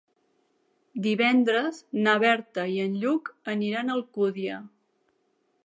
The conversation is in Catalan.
Divendres na Berta i en Lluc aniran a Alcúdia.